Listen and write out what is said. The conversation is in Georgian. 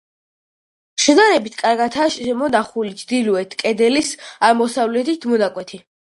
შედარებით კარგადაა შემონახული ჩრდილოეთ კედლის აღმოსავლეთის მონაკვეთი.